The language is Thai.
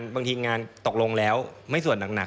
บางทีงานตกลงแล้วไม่สวดหนัก